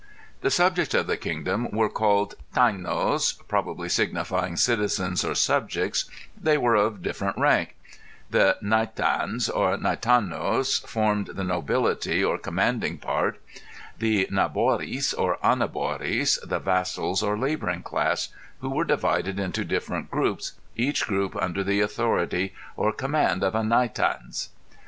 The subjects of the kingdom were called tainos probably signifying citizens or subjects; they were of different rank; the naitains or naitanos formed the nobility or commanding part, the naboris or anaboris the vassals or laboring class, who were divided into different groups, each group under the authority or command of a naitains.